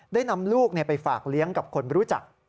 ได้นำลูกไปฝากเลี้ยงกับคนรู้จัก